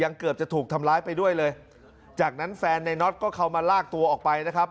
เกือบจะถูกทำร้ายไปด้วยเลยจากนั้นแฟนในน็อตก็เข้ามาลากตัวออกไปนะครับ